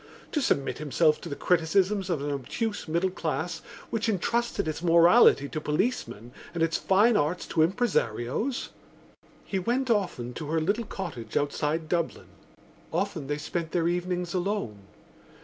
To submit himself to the criticisms of an obtuse middle class which entrusted its morality to policemen and its fine arts to impresarios? He went often to her little cottage outside Dublin; often they spent their evenings alone.